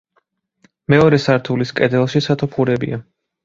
მეორე სართულის კედელში სათოფურებია.